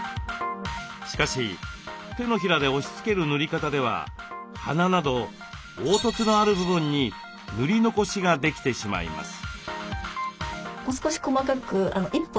しかし手のひらで押しつける塗り方では鼻など凹凸のある部分に塗り残しができてしまいます。